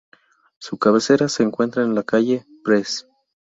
Su cabecera se encuentra en la calle Pres.